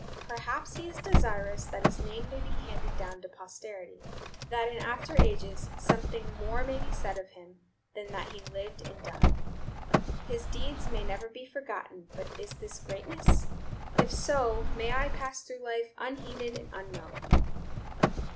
Perhaps he is desirous that his name may be handed down to posterity; that in after ages something more may be said of him than that he lived and died. His deeds may never be forgotten; but is this greatness? If so, may I pass through life unheeded and unknown!"